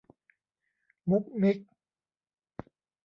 มุกมิก